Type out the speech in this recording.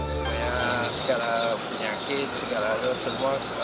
supaya segala penyakit segala hal semua